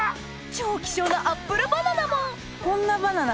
超希少なアップルバナナもこんなバナナ